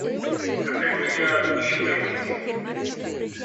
Categoría libro infantil.